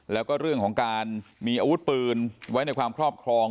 แล้วก็เรื่องของการมีอาวุธปืนไว้ในความครอบครอง